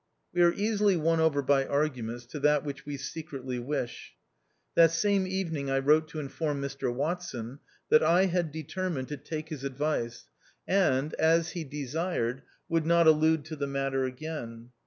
We are easily won over by argu ments to that which we secretly wish. That same evening I wrote to inform Mr Watson that I had determined to take his THE OUTCAST. 117 advice, and, as he desired, would not allude to the matter again.